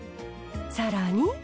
さらに。